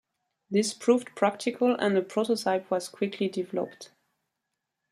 This proved practical and a prototype was quickly developed.